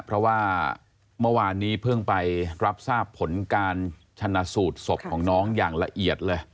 เพราะว่าเมื่อวานนี้เพิ่งไปรับทราบผลการชนะสูตรศพของน้องอย่างละเอียดเลย